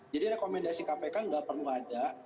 jadi rekomendasi kpk tidak perlu ada